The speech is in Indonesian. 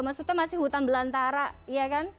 maksudnya masih hutan belantara ya kan